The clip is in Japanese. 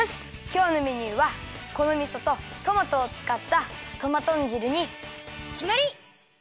きょうのメニューはこのみそとトマトをつかったトマとんじるにきまり！